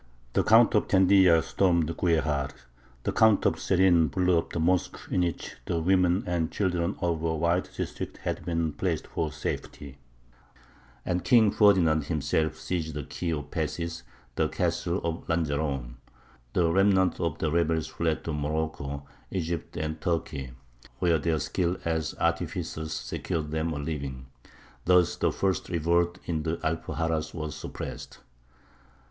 The Count of Tendilla stormed Guejar; the Count of Serin "blew up the mosque in which the women and children of a wide district had been placed for safety," and King Ferdinand himself seized the key of the passes, the castle of Lanjaron. The remnant of the rebels fled to Morocco, Egypt, and Turkey, where their skill as artificers secured them a living. Thus the first revolt in the Alpuxarras was suppressed.